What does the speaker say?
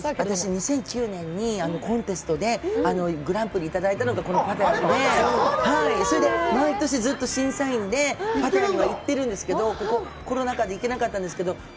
私、２００９年にコンテストでグランプリをいただいたのがこのパタヤで、それで毎年ずっと審査員でパタヤには行ってるんですけど、コロナ禍で行けなかったんですけど